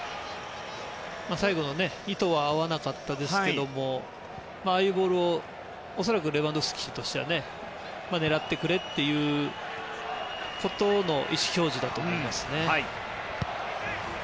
最後の意図は合わなかったですがああいうボールを恐らくレバンドフスキとしては狙ってくれということの意思表示だと思いますね。